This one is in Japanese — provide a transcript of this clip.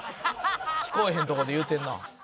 聞こえへんとこで言うてんな。